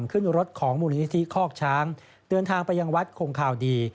ขึ้นรถของมูลนิธิคอกช้างเดินทางไปยังวัดคงคาวดี